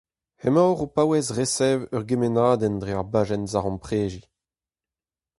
Emaoc'h o paouez resev ur gemennadenn dre ar bajenn zaremprediñ.